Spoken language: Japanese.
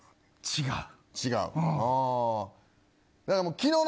違う。